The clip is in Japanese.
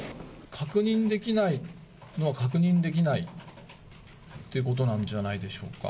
確認できないのは確認できないってことなんじゃないでしょうか。